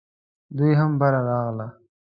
دوی هم باره راغله .